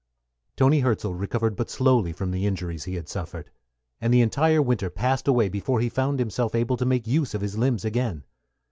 _ Toni Hirzel recovered but slowly from the injuries he had suffered, and the entire winter passed away before he found himself able to make use of his limbs again.